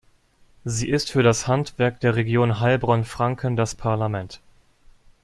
Sie ist für das Handwerk der Region Heilbronn-Franken das Parlament.